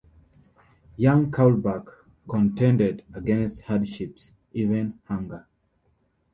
Young Kaulbach contended against hardships, even hunger.